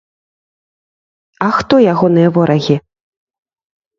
А хто ягоныя ворагі?